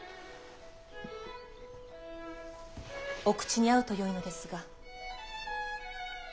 お口に合うとよいのですが。